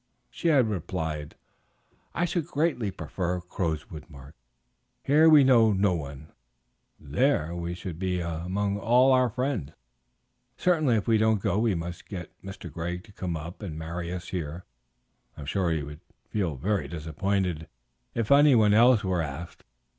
She had replied: "I should greatly prefer Crowswood, Mark. Here we know no one, there we should be among all our friends; certainly if we don't go we must get Mr. Greg to come up and marry us here. I am sure he would feel very disappointed if anyone else were asked.